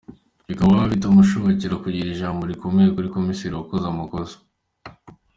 Bikaba bitamushobokera kugira ijambo rikomeye kuri Komiseri wakoze amakosa.